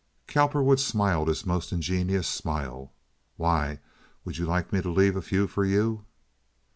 Cowperwood smiled his most ingenuous smile. "Why? Would you like me to leave a few for you?"